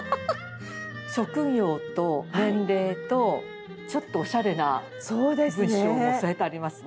職業と年齢とちょっとおしゃれな文章も添えてありますね。